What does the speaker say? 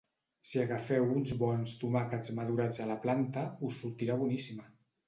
Si agafeu uns bons tomàquets madurats a la planta, us sortirà boníssima.